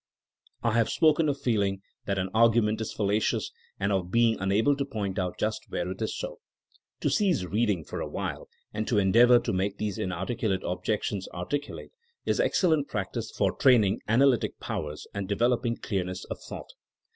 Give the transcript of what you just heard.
I have spoken of feeling that an argument is fallacious, and of being unable to point out just where it is so. To cease reading for a while, and to endeavor to make these inarticulate ob jections articulate, is excellent practice for train ing analytic powers and developing clearness of thought.